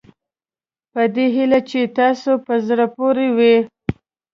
په دې هیله چې تاسوته په زړه پورې وي.